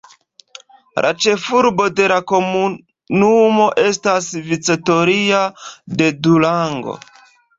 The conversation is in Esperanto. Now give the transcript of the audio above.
La ĉefurbo de la komunumo estas Victoria de Durango.